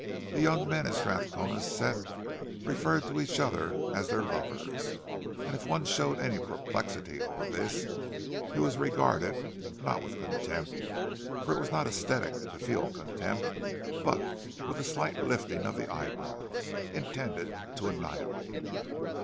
The young men in Strathcona's set referred to each other as their "lovers"; and if one showed any perplexity over this, he was regarded, not with contempt—for it was not aesthetic to feel contempt—but with a slight lifting of the eyebrows, intended to annihilate.